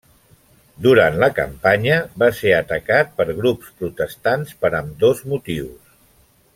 Durant la campanya va ser atacat per grups protestants per ambdós motius.